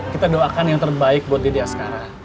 kita doakan yang terbaik buat lady askara